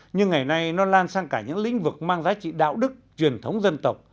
nhưng ngày nay nó lan sang cả những lĩnh vực mang giá trị đạo đức truyền thống dân tộc